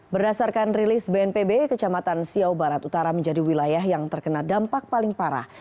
berdasarkan rilis bnpb kecamatan siau barat utara menjadi wilayah yang terkena dampak paling parah